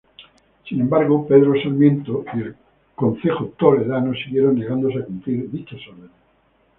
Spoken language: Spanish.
Sin embargo, Pedro Sarmiento y el concejo toledano siguieron negándose a cumplir dichas órdenes.